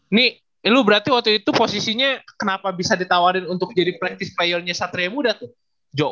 ini lu berarti waktu itu posisinya kenapa bisa ditawarin untuk jadi praktis playernya satria muda tuh joe